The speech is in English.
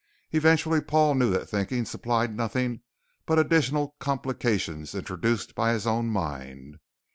Eventually Paul knew that thinking supplied nothing but additional complications introduced by his own mind.